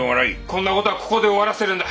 こんな事はここで終わらせるんだ。